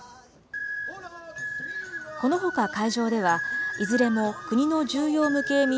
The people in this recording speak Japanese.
このほか会場ではいずれも国の重要無形民俗